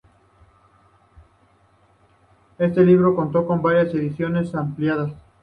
Este libro contó con varias ediciones ampliadas.